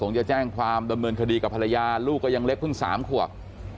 จะแจ้งความดำเนินคดีกับภรรยาลูกก็ยังเล็กเพิ่ง๓ขวบ